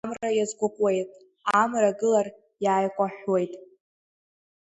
Амра, амра иазгәыкуеит, Амра гылар иааикәаҳәуеит.